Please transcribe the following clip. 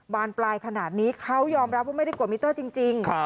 บานปลายขนาดนี้เขายอมรับว่าไม่ได้กดมิเตอร์จริง